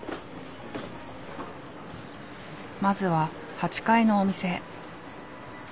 まずは８階のお店へ。